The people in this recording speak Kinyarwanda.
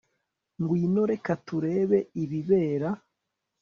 Ngwino reka turebe ibibera